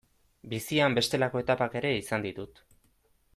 Bizian bestelako etapak ere izan ditut.